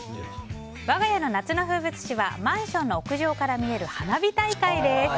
わが家の夏の風物詩はマンションの屋上から見える花火大会です。